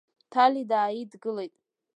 Ҭали дааидгылеит.